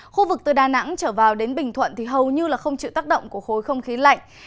khu vực từ đà nẵng trở vào đến bình thuận thì hầu như không chịu tác động của khối không khí lạnh